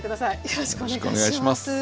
よろしくお願いします。